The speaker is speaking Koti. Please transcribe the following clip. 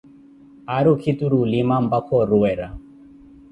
Aari okhitiri olima mpakha oruwera.